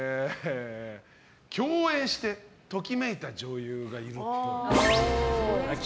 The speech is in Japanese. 共演してトキめいた女優がいるっぽい。